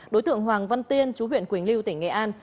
đối tượng hoàng văn tiên chú huyện quỳnh lưu tỉnh nghệ an